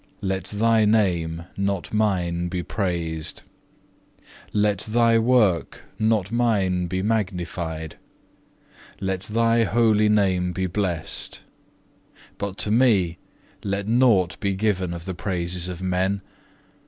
Let thy Name, not mine be praised; let Thy work, not mine be magnified; let Thy holy Name be blessed, but to me let nought be given of the praises of men.